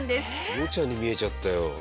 おもちゃに見えちゃったよ。